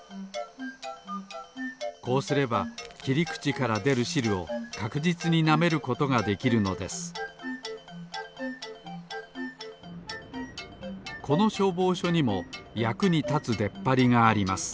こうすればきりくちからでるしるをかくじつになめることができるのですこのしょうぼうしょにもやくにたつでっぱりがあります。